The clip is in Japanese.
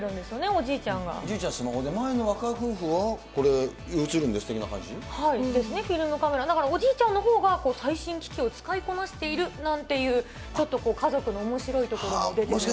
おじいちゃんスマホで、前の若夫婦は、そうですね、フィルムカメラ、だからおじいちゃんのほうが最新機器を使いこなしているなんていう、ちょっと家族のおもしろいところも出てますね。